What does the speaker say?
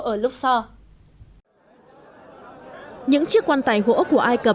ở lúc sáng